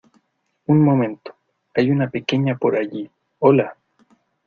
Un momento, hay una pequeña por allí. ¡ hola!